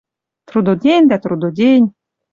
Трудодень дӓ трудодень.